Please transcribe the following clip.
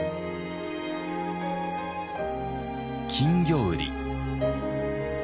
金魚売り。